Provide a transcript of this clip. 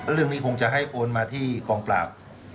เรื่องนี้คงจะให้โอนมาที่กองปราบ